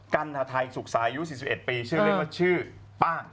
กัณฑไทยสุขสายุ๔๑ปีชื่อเล่นว่าชื่อป้า